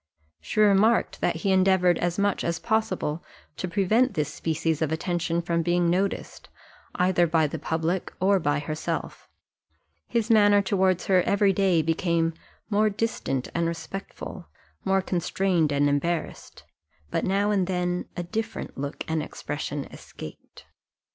She remarked that he endeavoured as much as possible to prevent this species of attention from being noticed, either by the public or by herself; his manner towards her every day became more distant and respectful, more constrained and embarrassed; but now and then a different look and expression escaped.